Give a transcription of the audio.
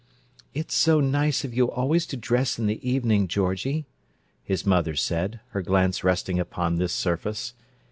"It's so nice of you always to dress in the evening, Georgie," his mother said, her glance resting upon this surface.